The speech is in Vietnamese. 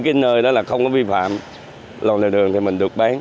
vì đó là không có vi phạm lòng đường thì mình được bán